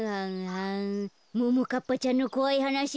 ももかっぱちゃんのこわいはなし